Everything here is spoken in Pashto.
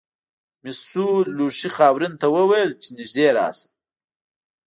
مسو لوښي خاورین ته وویل چې نږدې راشه.